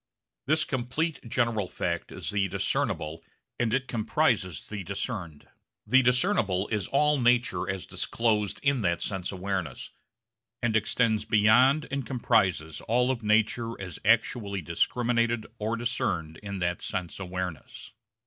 This complete general fact is the discernible and it comprises the discerned. The discernible is all nature as disclosed in that sense awareness, and extends beyond and comprises all of nature as actually discriminated or discerned in that sense awareness.